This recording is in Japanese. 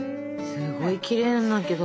すごいきれいなんだけど。